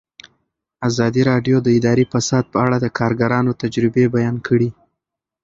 ازادي راډیو د اداري فساد په اړه د کارګرانو تجربې بیان کړي.